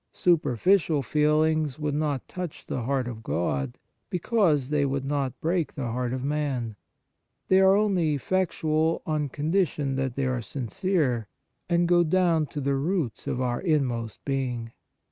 Superficial feelings would not touch the heart of God, because they would not break the heart of man ; they are only effectual on condition that they are sincere, and go down to the roots of our inmost being.